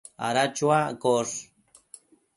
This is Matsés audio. ada chuaccosh